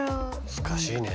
難しいね。